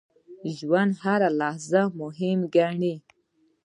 ژوندي هره لحظه مهمه ګڼي